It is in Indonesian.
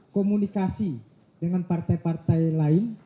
komunikasi dengan partai partai lain